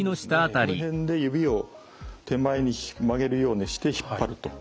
この辺で指を手前に曲げるようにして引っ張ると。